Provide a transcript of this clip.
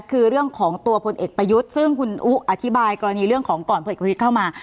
คือเรื่องของตัวพลเอกประยุทธ์ซึ่งคุณอุ๊อธิบายกรณีเรื่องของก่อนพลเอกประยุทธ์เข้ามา